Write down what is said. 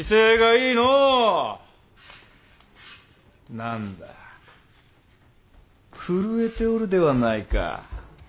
何だ震えておるではないか。